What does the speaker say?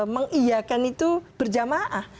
mengiyakan itu berjamaah